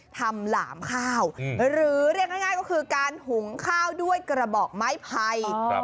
หลามข้าวหรือเรียกง่ายก็คือการหุงข้าวด้วยกระบอกไม้ไผ่